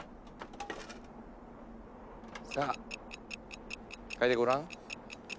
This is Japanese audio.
さあ書いてごらん。